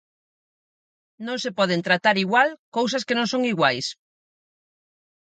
Non se poden tratar igual cousas que non son iguais.